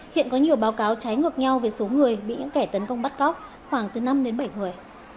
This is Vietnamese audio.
hiện có nhiều báo cáo trái ngược nhau về số người bị những kẻ tấn công bắt cóc khoảng từ năm đến bảy người